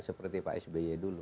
seperti pak sby dulu